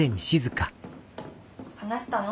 ・話したの？